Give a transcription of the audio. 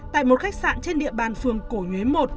tại một khách sạn trên địa bàn phường cổ nhuế một